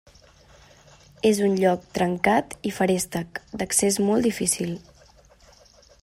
És un lloc trencat i feréstec, d'accés molt difícil.